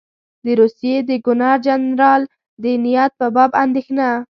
د روسیې د ګورنر جنرال د نیت په باب اندېښنه.